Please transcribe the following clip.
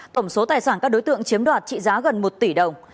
tổng số tài sản các đối tượng chiếm đoạt trị giá gần một tỷ đồng